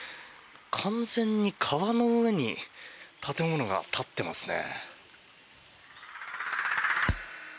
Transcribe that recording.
完全に川の上に建物が立っていますね。